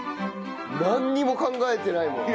なんにも考えてないもん。